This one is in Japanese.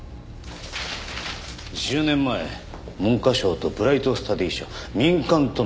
１０年前「文科省とブライトスタディ社民間との癒着疑惑」。